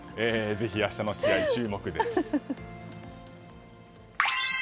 ぜひ明日の試合に注目です。